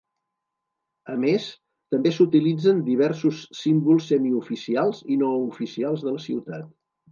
A més, també s'utilitzen diversos símbols semioficials i no oficials de la ciutat.